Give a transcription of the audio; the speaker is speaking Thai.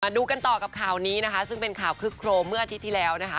ดูกันต่อกับข่าวนี้นะคะซึ่งเป็นข่าวคึกโครมเมื่ออาทิตย์ที่แล้วนะคะ